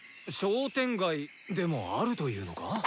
商店街でもあるというのか？